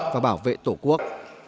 và bảo vệ tổ quốc